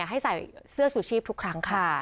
ให้ใส่เสื้อชูชีพทุกครั้งค่ะ